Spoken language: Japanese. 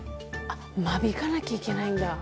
間引かなきゃいけないんだ。